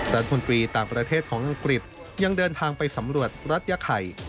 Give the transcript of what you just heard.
รัฐมนตรีต่างประเทศของอังกฤษยังเดินทางไปสำรวจรัฐยาไข่